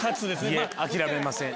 いいえ諦めません。